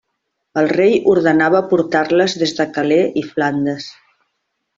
El rei ordenava portar-les des de Calais i Flandes.